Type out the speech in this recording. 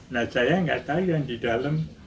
nah saya nggak tahu yang di dalam